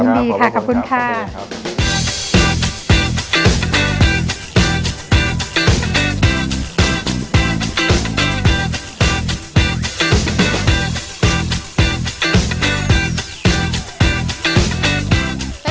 ดีค่ะขอบคุณค่ะ